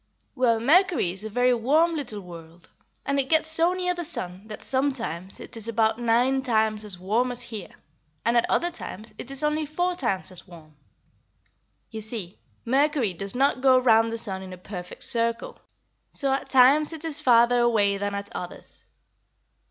Well, Mercury is a very warm little world, and it gets so near the sun that sometimes it is about nine times as warm as here, and at other times it is only four times as warm. You see, Mercury does not go round the sun in a perfect circle, so at times it is farther away than at others.